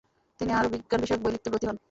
তিনি আরো বিজ্ঞান বিষয়ক বই লিখতে ব্রতী হন।